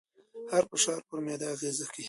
هر فشار پر معده اغېز کوي.